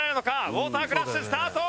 ウォータークラッシュスタート！